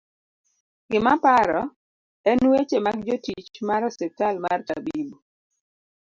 gimaparo en weche mag jotich mar ospital mar Tabibu